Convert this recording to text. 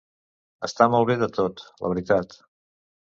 Està molt bé de tot, la veritat.